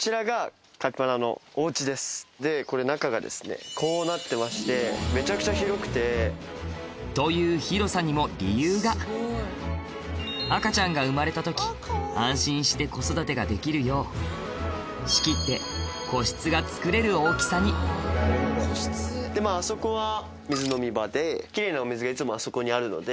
でこれ中がこうなってましてめちゃくちゃ広くて。という広さにも理由が赤ちゃんが生まれた時安心して子育てができるよう仕切って個室が作れる大きさにでまぁあそこは水飲み場で奇麗なお水がいつもあそこにあるので。